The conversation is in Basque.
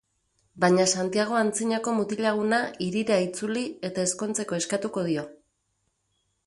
Baina Santiago antzinako mutil-laguna hirira itzuli eta ezkontzeko eskatuko dio.